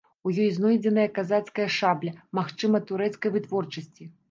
У ёй знойдзеная казацкая шабля, магчыма, турэцкай вытворчасці.